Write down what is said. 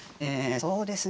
そうですね。